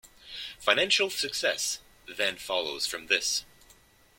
Financial success then follows from this.